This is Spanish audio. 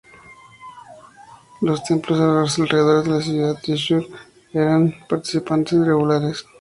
Los templos en los alrededores de la ciudad de Thrissur eran participantes regulares.